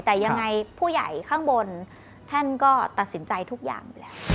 แต่ยังไงผู้ใหญ่ข้างบนท่านก็ตัดสินใจทุกอย่างอยู่แล้ว